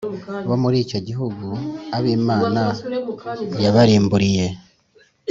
bo muri icyo gihugu abo Imana yabarimburiye